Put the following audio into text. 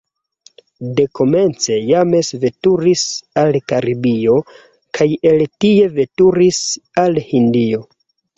Dekomence James veturis al Karibio kaj el tie veturis al Hindio.